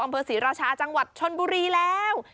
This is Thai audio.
อำเภิษฐ์ศรรยาชาจังหวัดชลบุรีแล้ว